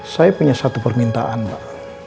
saya punya satu permintaan mbak